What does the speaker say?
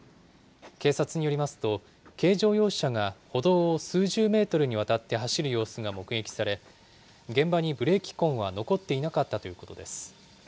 警察によりますと、軽乗用車が歩道を数十メートルにわたって走る様子が目撃され、現場にブレーキ痕は残っていなかったということです。